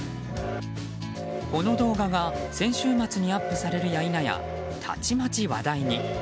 この動画が先週末にアップされるや否やたちまち話題に。